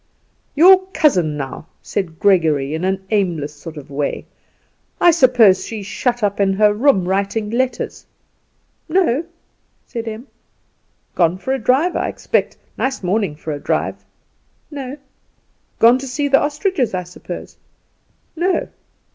"Your cousin, now," said Gregory in an aimless sort of way "I suppose she's shut up in her room writing letters." "No," said Em. "Gone for a drive, I expect? Nice morning for a drive." "No." "Gone to see the ostriches, I suppose?" "No."